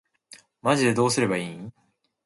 マジでどうすればいいん